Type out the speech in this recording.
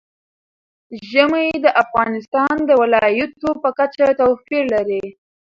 ژمی د افغانستان د ولایاتو په کچه توپیر لري.